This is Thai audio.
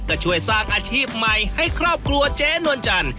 ก็ช่วยสร้างอาชีพใหม่ให้ครอบครัวเจ๊นวลจันทร์